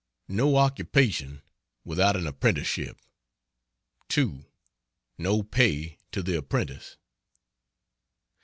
No occupation without an apprenticeship. 2. No pay to the apprentice.